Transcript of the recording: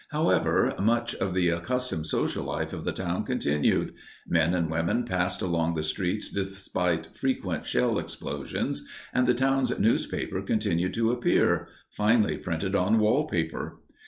However, much of the accustomed social life of the town continued. Men and women passed along the streets despite frequent shell explosions, and the town's newspaper continued to appear—finally printed on wallpaper.